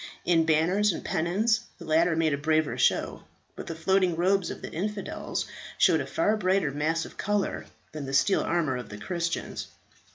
In banners and pennons the latter made a braver show; but the floating robes of the infidel showed a far brighter mass of colour than the steel armour of the Christians.